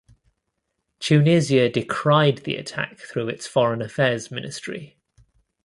Tunisia decried the attack through its foreign affairs ministry.